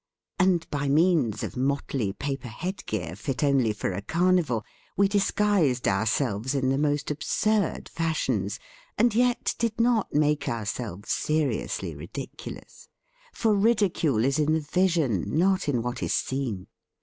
And by means of motley paper headgear, fit only for a carnival, we disguised ourselves in the most ab surd fashions, and yet did not make ourselves seriously ridiculous; for ridi cule is in the vision, not in what is seen.